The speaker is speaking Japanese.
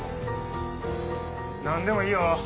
何でもいいよ。